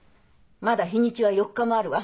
まだ日にちは４日もあるわ。